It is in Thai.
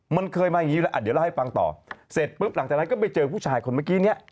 มันเคยมาอย่างนี้แล้วอ่ะเดี๋ยวเล่าให้ฟังต่อเสร็จปุ๊บหลังจากนั้นก็ไปเจอผู้ชายคนเมื่อกี้เนี่ย